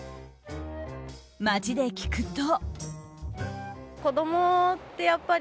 街で聞くと。